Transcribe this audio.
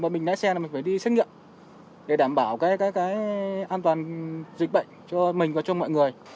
và mình lái xe là mình phải đi xét nghiệm để đảm bảo cái an toàn dịch bệnh cho mình và cho mọi người